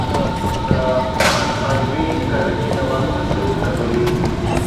د عنعنوي کرنې دوام حاصل کموي.